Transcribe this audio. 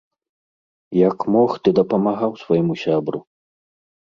Як мог, ты дапамагаў свайму сябру.